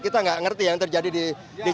kita gak ngerti yang terjadi di jakarta atau dimana